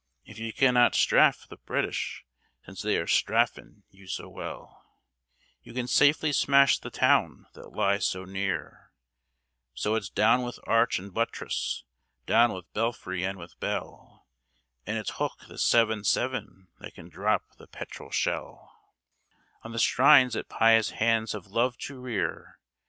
If you cannot straf the British, since they strafen you so well, You can safely smash the town that lies so near, So it's down with arch and buttress, down with belfry and with bell, And it's hoch the seven seven that can drop the petrol shell On the shrines that pious hands have loved to rear!